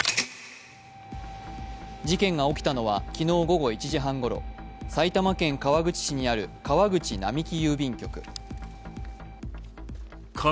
事件が起きたのは昨日午後１時半ごろ、埼玉県川口市にある川口並木郵便局。